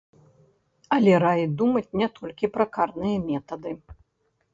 Але раіць думаць не толькі пра карныя метады.